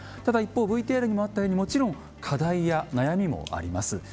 ただ一方ＶＴＲにもあったようにもちろん課題や悩みもあります。